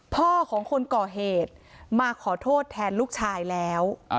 พ่อของคนก่อเหตุมาขอโทษแทนลูกชายแล้ว